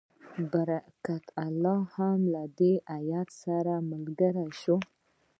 برکت الله هم له دې هیات سره ملګری شو.